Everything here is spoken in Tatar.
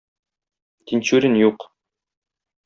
Тинчурин юк.